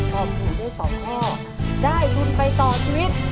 ขอบคุณให้สองแม่ได้ภูมิไปต่อชีวิต